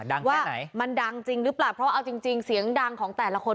ดังว่ามันดังจริงหรือเปล่าเพราะเอาจริงเสียงดังของแต่ละคน